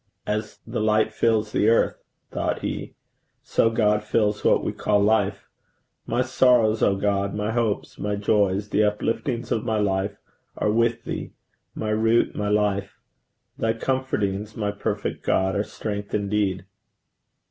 'As the light fills the earth,' thought he, 'so God fills what we call life. My sorrows, O God, my hopes, my joys, the upliftings of my life are with thee, my root, my life. Thy comfortings, my perfect God, are strength indeed!'